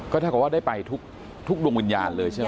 เท่ากับว่าได้ไปทุกดวงวิญญาณเลยใช่ไหม